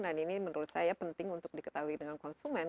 dan ini menurut saya penting untuk diketahui dengan konsumen